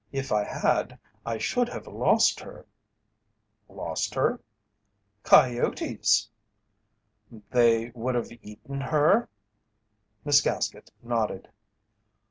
"If I had, I should have lost her." "Lost her?" "Coyotes." "They would have eaten her?" Miss Gaskett nodded.